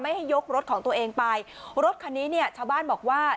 ให้ยกรถของตัวเองไปรถคันนี้เนี่ยชาวบ้านบอกว่า